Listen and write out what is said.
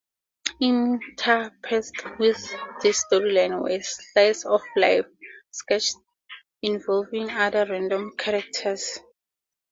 Interspersed with this storyline were "slice-of-life" sketched involving other random characters.